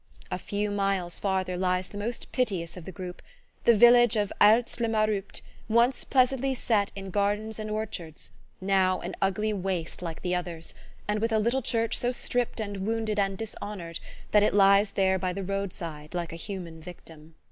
A few miles farther lies the most piteous of the group: the village of Heiltz le Maurupt, once pleasantly set in gardens and orchards, now an ugly waste like the others, and with a little church so stripped and wounded and dishonoured that it lies there by the roadside like a human victim.